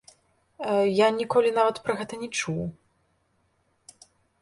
Я ніколі нават пра гэта не чуў.